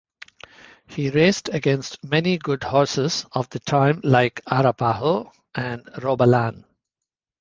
He raced against many good horses of the time like Arapaho and Robalan.